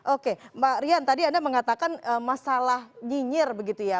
oke mbak rian tadi anda mengatakan masalah nyinyir begitu ya